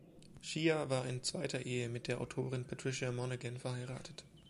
Shea war in zweiter Ehe mit der Autorin Patricia Monaghan verheiratet.